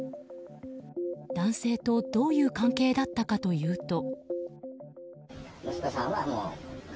男性とどういう関係だったかというと。